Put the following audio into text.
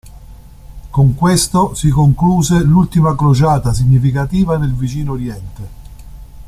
Con questo si concluse l'ultima crociata significativa nel Vicino Oriente.